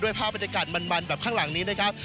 ภาพบรรยากาศมันแบบข้างหลังนี้นะครับ